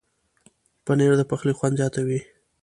پنېر د پخلي خوند زیاتوي.